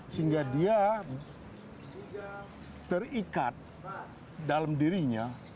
sehingga dia tidak terikat dalam dirinya